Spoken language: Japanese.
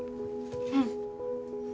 うん。